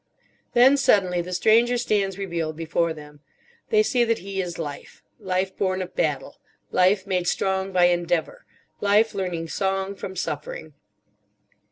Then suddenly the Stranger stands revealed before them. They see that he is Life—Life born of battle, Life made strong by endeavour, Life learning song from suffering.